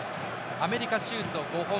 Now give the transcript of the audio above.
アメリカ、シュート５本。